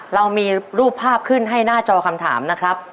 เรามีรูปภาพขึ้นให้หน้าจอคำถามนะครับ